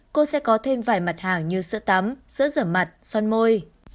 cô sẽ có thêm vài mặt hàng như sữa tắm sữa rửa mặt son môi